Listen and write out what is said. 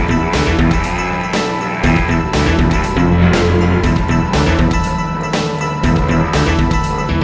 aku ketebel tebel sama uhimu